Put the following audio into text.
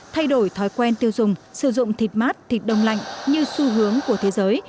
thay đổi thói quen tiêu dùng sử dụng thịt mát thịt đông lạnh như xu hướng của thế giới